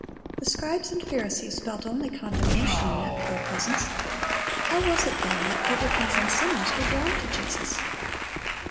The scribes and Pharisees felt only condemnation in that pure presence; how was it, then, that publicans and sinners were drawn to Jesus?